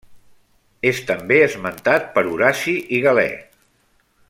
És també esmentat per Horaci i Galè.